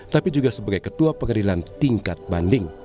tapi juga sebagai ketua pengadilan tingkat banding